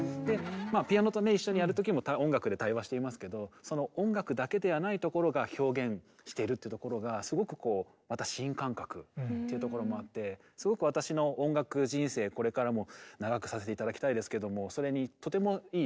まあピアノとね一緒にやる時も音楽で対話していますけどその音楽だけではないところが表現してるっていうところがすごくこうまた新感覚っていうところもあってすごく私の音楽人生これからも長くさせて頂きたいですけどもそれにとてもいい刺激を与えてくれた時間でしたね。